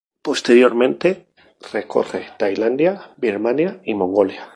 Posteriormente recorre Tailandia, Birmania y Mongolia.